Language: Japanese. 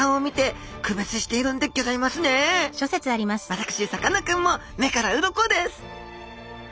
私さかなクンも目からうろこです！